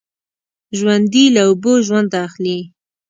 ژوندي له اوبو ژوند اخلي